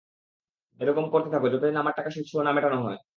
এরকম করতে থাকো, যতদিন আমার টাকা সুদসহ না মেটানো হয়।